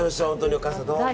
お母さん、どうも。